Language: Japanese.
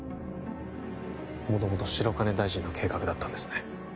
元々白金大臣の計画だったんですね